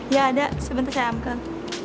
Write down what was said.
ya ada sebentar saya angkat